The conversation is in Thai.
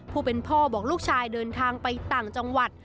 ผู้เป็นพ่อบอกลูกชายเดินทางไปต่างจังหวัด